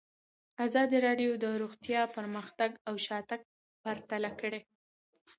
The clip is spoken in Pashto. ازادي راډیو د روغتیا پرمختګ او شاتګ پرتله کړی.